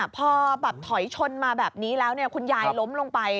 พอแบบถอยชนมาแบบนี้แล้วคุณยายล้มลงไป